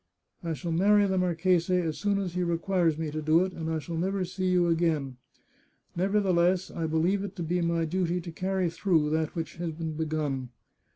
I shall marry the marchese as soon as he requires me to do it, and I shall never see you again. " Nevertheless, I believe ^ it to be my duty to carry through that which has been begun.